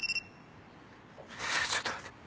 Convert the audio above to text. ちょっと待って。